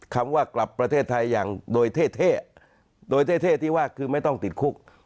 คำว่ากลับประเทศไทยอย่างโดยเท่โดยเท่ที่ว่าคือไม่ต้องติดคุก